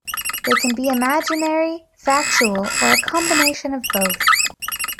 They can be imaginary, factual or a combination of both.